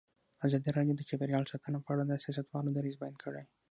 ازادي راډیو د چاپیریال ساتنه په اړه د سیاستوالو دریځ بیان کړی.